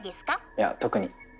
いや特に。